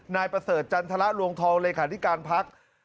นายประเสริฐจันทรลวงทองเลขาธิการพัก